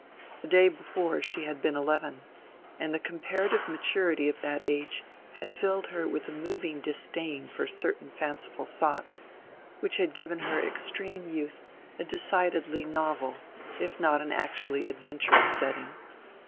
The day before she had been eleven, and the comparative maturity of that age had filled her with a moving disdain for certain fanciful thoughts which had given her extreme youth a decidedly novel if not an actually adventurous setting.